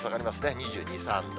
２２、３度。